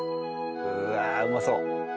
うわあうまそう！